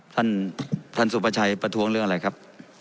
ท่านท่านสุประชัยประท้วงเรื่องอะไรครับ